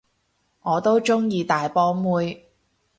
我都鍾意大波妹